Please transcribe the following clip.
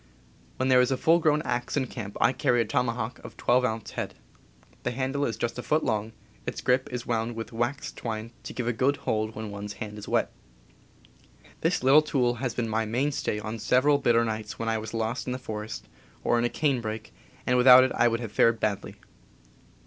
^When there is a full grown axe in camp I carry a tomahawk of 12 ounce head. The handle is just a foot long. Its grip is wound with waxed twine to give a good hold when one's hand is wet. This little tool has been my mainstay on several bitter nights when I was lost in the forest, or in a canebrake, and without it I would have fared badly.